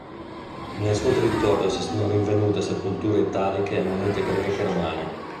Nel suo territorio si sono rinvenute sepolture italiche e monete greche e romane.